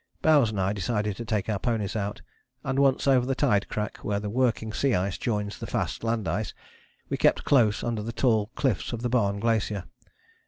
Bowers and I decided to take our ponies out, and once over the tide crack, where the working sea ice joins the fast land ice, we kept close under the tall cliffs of the Barne Glacier.